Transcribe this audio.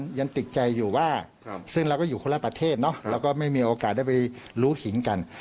ยังติดใจอยู่ว่าซึ่งเราก็อยู่คนละประเทศเนอะเราก็ไม่มีโอกาสได้ไปรู้หินกัน